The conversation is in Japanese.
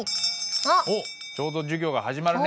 おっちょうど授業が始まるね。